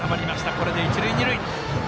これで一塁二塁。